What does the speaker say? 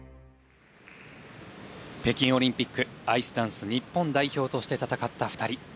北京オリンピックアイスダンス日本代表として戦った２人。